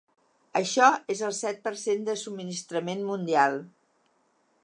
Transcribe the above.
Això és el set per cent del subministrament mundial.